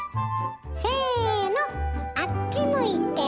せのあっち向いてホイ！